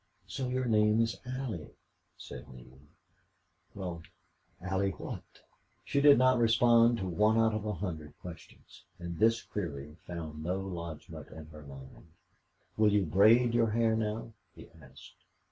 "So your name is Allie," said Neale. "Well, Allie what?" She did not respond to one out of a hundred questions, and this query found no lodgment in her mind. "Will you braid your hair now?" he asked.